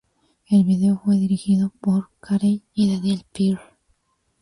El vídeo fue dirigido por Carey y Daniel Pearl.